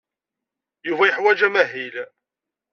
Yuba yeḥwaj amahil.